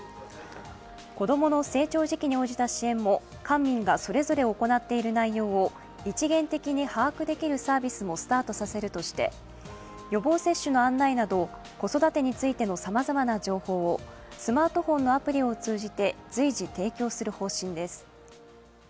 子供の成長時期に応じた支援も官民がそれぞれ行っている内容を一元的に把握できるサービスもスタートさせるとして、予防接種の案内など子育てについてのさまざまな情報をスマーフォンのアプリを通じて随時提供する方針です。